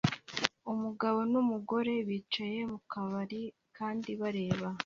Umugabo numugore bicaye mukabari kandi bareba